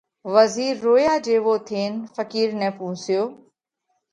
وزِير رويا جيوو ٿينَ ڦقِير نئہ پُونسيو: